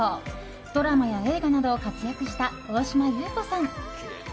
ドラマや映画など活躍した大島優子さん。